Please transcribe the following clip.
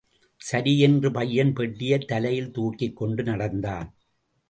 சரி என்று பையன் பெட்டியைத் தலையில் தூக்கிக் கொண்டு நடந்தான்.